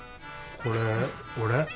これおれ？